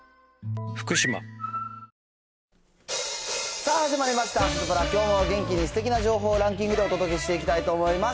さあ、始まりました、サタプラ、きょうも元気に、すてきな情報をランキングでお届けしていきたいと思います。